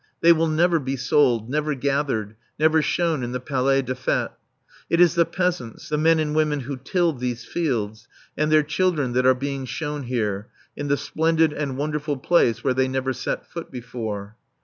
They will never be sold, never gathered, never shown in the Palais des Fêtes. It is the peasants, the men and women who tilled these fields, and their children that are being shown here, in the splendid and wonderful place where they never set foot before.